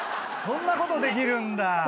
そんなことできるんだよ！